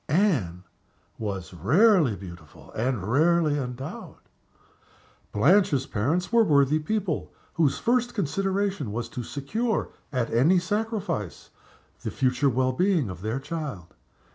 Anne was rarely beautiful and rarely endowed. Blanche's parents were worthy people, whose first consideration was to secure, at any sacrifice, the future well being of their child.